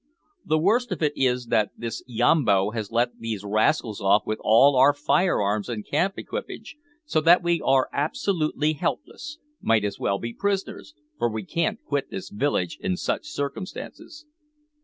The worst of it is that this Yambo has let these rascals off with all our fire arms and camp equipage, so that we are absolutely helpless might as well be prisoners, for we can't quit this village in such circumstances."